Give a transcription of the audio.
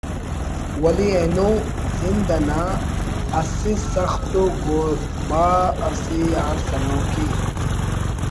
ولے اینو زند انا اسہ سخت ءُ ’گوربا‘ سے آ سلوک ءِ